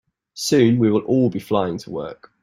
Soon, we will all be flying to work.